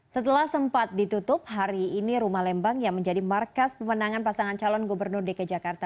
setelah sempat ditutup hari ini rumah lembang yang menjadi markas pemenangan pasangan calon gubernur dki jakarta